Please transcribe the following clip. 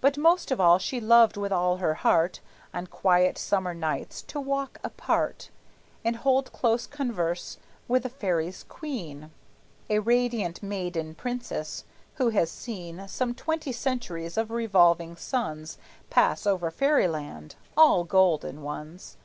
But most of all she loved with all her heart On quiet summer nights to walk apart And hold close converse with the fairies' queen, A radiant maiden princess who had seen Some twenty centuries of revolving suns Pass over Fairyland, all golden ones!